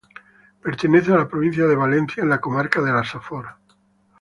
Pertenece a la provincia de Valencia, en la comarca de la Safor.